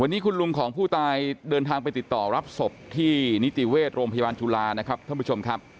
วันนี้คุณลุงของผู้ตายเดินทางไปติดต่อรับศพที่นิติเวชโรงพยาบาลธุลานะครับ